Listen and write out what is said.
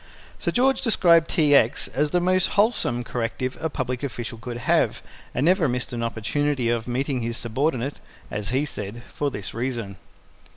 Sir George described T. X. as the most wholesome corrective a public official could have, and never missed an opportunity of meeting his subordinate (as he said) for this reason.